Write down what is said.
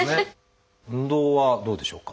運動はどうでしょうか？